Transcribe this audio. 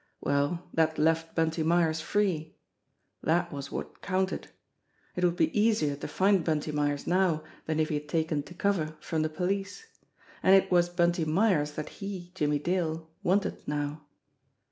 Well, that left Bunty Myers free! That was what counted. It would be easier to find Bunty Myers now than if he had taken to cover from the police. And it was Bunty Myers that he, Jimmie Dale, wanted now